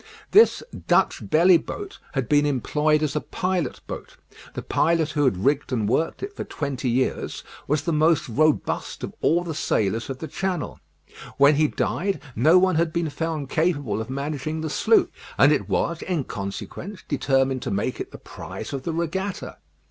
This "Dutch Belly Boat" had been employed as a pilot boat. The pilot who had rigged and worked it for twenty years was the most robust of all the sailors of the channel. When he died no one had been found capable of managing the sloop; and it was, in consequence, determined to make it the prize of the regatta.